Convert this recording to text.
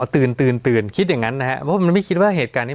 ตื่นตื่นตื่นคิดอย่างนั้นนะครับเพราะมันไม่คิดว่าเหตุการณ์นี้